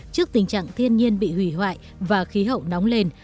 trước tình trạng thiên nhiên bị hủy hoại và khí hậu nóng lên